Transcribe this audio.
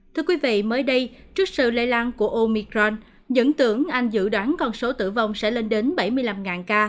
thưa quý vị mới đây trước sự lây lan của omicron dẫn tưởng anh dự đoán con số tử vong sẽ lên đến bảy mươi năm ca